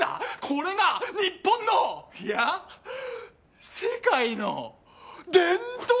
これが日本のいや世界の伝統だ！